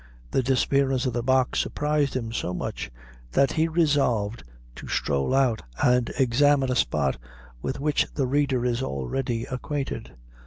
The disappearance of the Box surprised him so much, that he resolved to stroll out and examine a spot with which the reader is already acquainted.